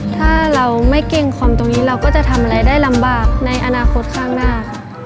ถ้าเราไม่เกรงคอมตรงนี้เราก็จะทำอะไรได้ลำบากในอนาคตข้างหน้าค่ะ